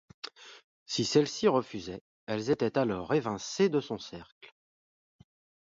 Si celles-ci refusaient, elles étaient alors évincés de son cercle.